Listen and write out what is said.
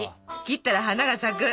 「切ったら花が咲く！！」。